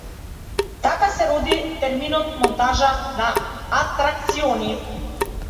Така се роди терминот монтажа на атракциони.